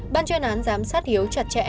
ban chuyên án giám sát hiếu chặt chẽ